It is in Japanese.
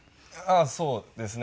そうですね。